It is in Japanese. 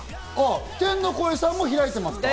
天の声さんは開いてますか？